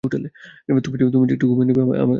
তুমি যে একটু ঘুমিয়ে নেবে আমাকে কথা দিয়েছ।